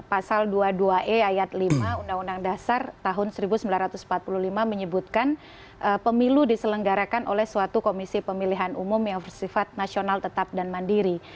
pasal dua puluh dua e ayat lima undang undang dasar tahun seribu sembilan ratus empat puluh lima menyebutkan pemilu diselenggarakan oleh suatu komisi pemilihan umum yang bersifat nasional tetap dan mandiri